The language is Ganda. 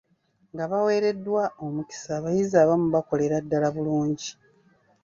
Nga baweereddwa omukisa abayizi abamu bakolera ddaala bulungi.